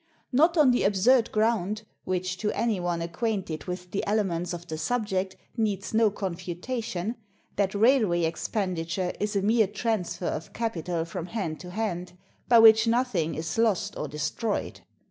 Not on the absurd ground (which to any one acquainted with the elements of the subject needs no confutation) that railway expenditure is a mere transfer of capital from hand to hand, by which nothing is lost or destroyed.